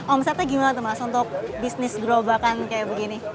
omsetnya gimana tuh mas untuk bisnis gerobakan kayak begini